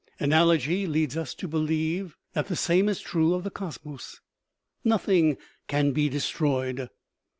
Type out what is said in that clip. Analogy leads us to believe that the same is true of the cosmos. Nothing can be destroyed.